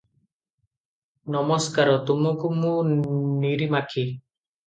ନମସ୍କାର ତୁମକୁ ମୁଁ ନିରିମାଖି ।